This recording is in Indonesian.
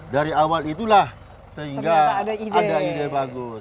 dari awal itulah sehingga ada ide bagus